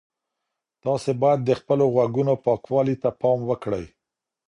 تاسي باید د خپلو غوږونو پاکوالي ته پام وکړئ.